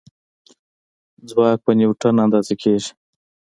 ځواک په نیوټن اندازه کېږي.